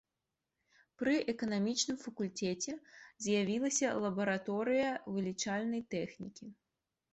Пры эканамічным факультэце з'явілася лабараторыя вылічальнай тэхнікі.